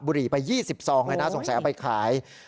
บุหรี่ไป๒๒ไงนะสงสัยเอาไปขาย